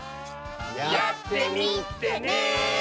やってみてね！